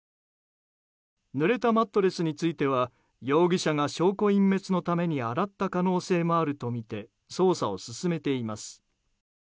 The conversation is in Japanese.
ぬれたマットレスについては容疑者が証拠隠滅のため洗った可能性もあるとみて捜査を進めています。